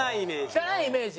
汚いイメージ。